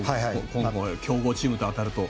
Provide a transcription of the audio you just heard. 今後、強豪チームと当たると。